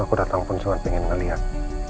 aku datang pun cuma pengen ngeliat